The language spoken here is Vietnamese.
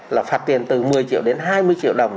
là phạt tiền từ một mươi triệu đến hai mươi triệu đồng